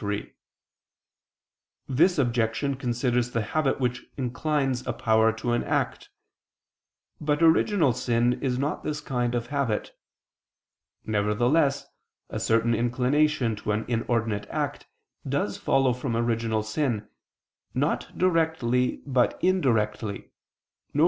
3: This objection considers the habit which inclines a power to an act: but original sin is not this kind of habit. Nevertheless a certain inclination to an inordinate act does follow from original sin, not directly, but indirectly, viz.